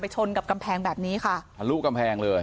ชนกับกำแพงแบบนี้ค่ะทะลุกำแพงเลย